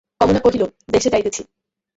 কমলা কহিল, দেশে যাইতেছি।